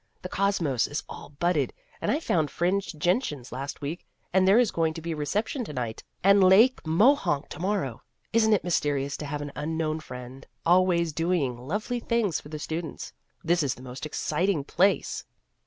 The cosmos is all budded, and I found fringed gentians last week, and there is going to be a reception to night. And Lake Mo honk to morrow ! Isn't it mysterious to have an ' Unknown Friend' always doing lovely things for the students ? This is the most exciting place